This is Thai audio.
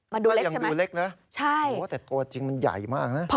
มันดูเล็กใช่ไหมใช่โอ้วแต่ตัวจริงมันใหญ่มากน่ะ